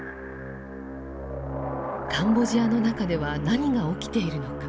カンボジアの中では何が起きているのか。